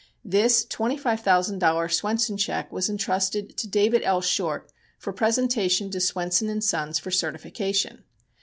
This twenty five thousand dollar Swenson check was intrusted to David L. Short for presentation to Swenson & Sons for certification.